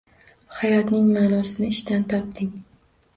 Hayotning ma`nosini ishdan topding